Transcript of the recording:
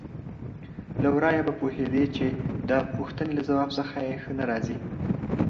له ورايه به پوهېدې چې د پوښتنې له ځواب څخه یې ښه نه راځي.